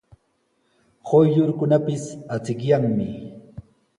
Quyllurkunapis achikyanmi.